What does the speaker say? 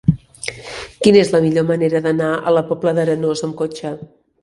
Quina és la millor manera d'anar a la Pobla d'Arenós amb cotxe?